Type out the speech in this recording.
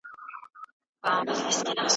د سړي سر عايد د زياتوالي هڅي رواني دي.